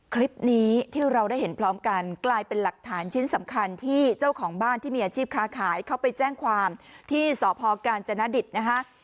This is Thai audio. คลิปนี้ที่เราได้เห็นพร้อมกันกลายเป็นหลักฐานชิ้นสำคัญที่เจ้าของบ้านที่มีอาชีพค้าขายเข้าไปแจ้งความที่สพกาญจนดิตนะคะ